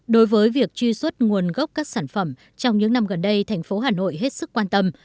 đối với việc truy xuất nguồn gốc các sản phẩm trong những năm gần đây thành phố hà nội hết sức quan tâm